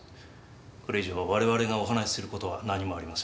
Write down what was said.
これ以上我々がお話しする事は何もありません。